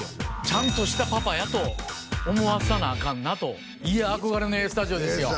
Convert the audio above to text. ちゃんとしたパパやと思わさなあかんなといや憧れの「ＡＳＴＵＤＩＯ＋」ですよ